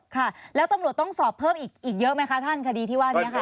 ค่ะแล้วตำรวจต้องสอบเพิ่มอีกเยอะไหมคะท่านคดีที่ว่านี้ค่ะ